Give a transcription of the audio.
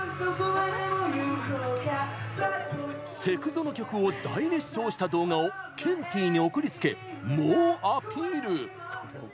セクゾの曲を大熱唱した動画をケンティーに送りつけ猛アピール！